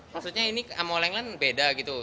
maksudnya ini sama england beda gitu